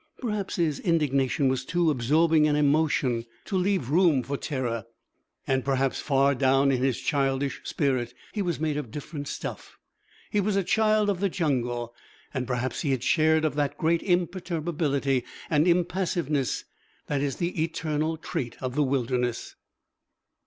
Perhaps his indignation was too absorbing an emotion to leave room for terror, and perhaps, far down in his childish spirit, he was made of different stuff. He was a child of the jungle, and perhaps he had shared of that great imperturbability and impassiveness that is the eternal trait of the wildernesses.